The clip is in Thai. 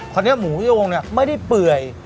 คราวเนี่ยหมูโยงเนี่ยไม่ได้เปื่อย